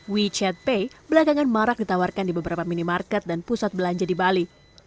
wechat pay belakangan marak ditawarkan di beberapa minimarket dan pusat belanja di bali